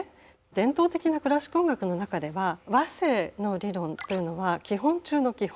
伝統的なクラシック音楽の中では和声の理論というのは基本中の基本。